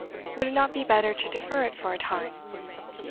Would it not be better to defer it for a time?